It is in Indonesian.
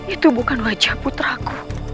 itu bukan wajah putraku